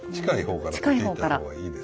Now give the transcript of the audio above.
近い方からはい。